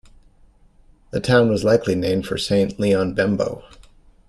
The town was likely named for Saint Leon Bembo.